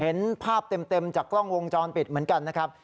เห็นภาพเต็มจากกล้องวงจรปิดเหมือนกันนะครับ